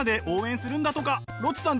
ロッチさん